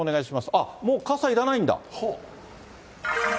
あっ、もう傘いらないんだ。